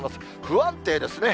不安定ですね。